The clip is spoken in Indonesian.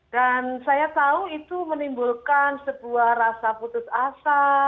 dan saya tahu itu menimbulkan sebuah rasa putus asa